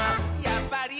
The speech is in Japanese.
やっぱり！」